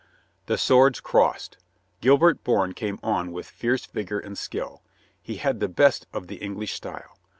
The swords crossed. Gilbert Bourne came on with fierce vigor and skill. He had the best of the English style.